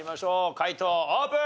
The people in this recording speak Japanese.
解答オープン！